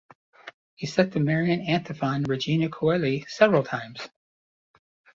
He set the Marian antiphon "Regina coeli" several times.